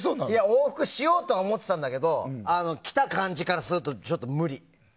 往復しようとは思ってたんだけど来た感じからするとちょっと無理。